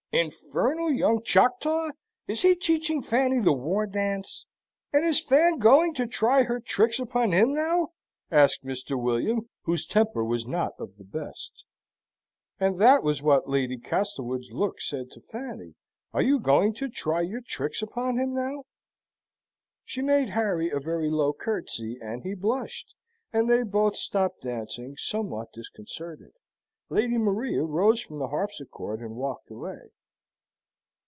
"Infernal young Choctaw! Is he teaching Fanny the war dance? and is Fan going to try her tricks upon him now?" asked Mr. William, whose temper was not of the best. And that was what Lady Castlewood's look said to Fanny. "Are you going to try your tricks upon him now?" She made Harry a very low curtsey, and he blushed, and they both stopped dancing, somewhat disconcerted. Lady Maria rose from the harpsichord and walked away.